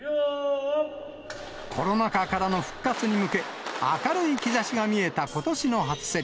コロナ禍からの復活に向け、明るい兆しが見えたことしの初競り。